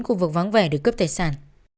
khu vực vắng vẻ được cướp tài sản